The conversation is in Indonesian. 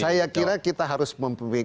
saya kira kita harus memperbaiki